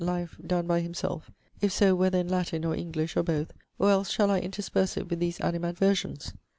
life donne by himselfe? (If so, whether in Latin, or English, or both?) Or else, shall I intersperse it with these animadversions?